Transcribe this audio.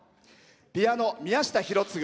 ピアノ、宮下博次。